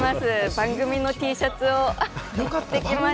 番組のＴシャツを着てきました。